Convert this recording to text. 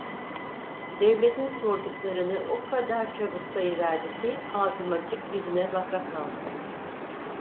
Devletin sorduklarını o kadar çabuk sayıverdi ki, ağzım açık yüzüne bakakaldım.